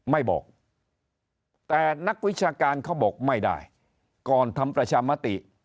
ไม่บอกแต่นักวิชาการเขาบอกไม่ได้ก่อนทำประชามติ